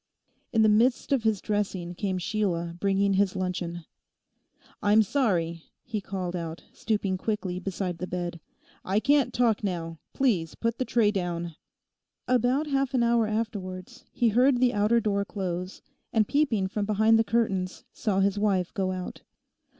In the midst of his dressing came Sheila bringing his luncheon. 'I'm sorry,' he called out, stooping quickly beside the bed, 'I can't talk now. Please put the tray down.' About half an hour afterwards he heard the outer door close, and peeping from behind the curtains saw his wife go out.